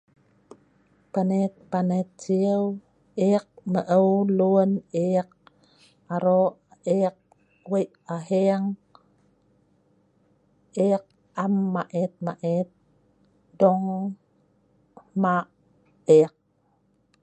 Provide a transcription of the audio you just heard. panet panet siew, eek maou lun eek aro' eek wei' ahe'eng, eek am maet maet dong ma' eek